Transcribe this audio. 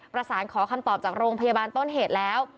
ประสานขอคำตอบจากโรงพยาบาลต้นเหตุแล้ว